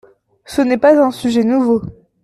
Ce n’est pas un sujet nouveau.